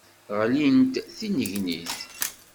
Ɣlint d tinnegnit.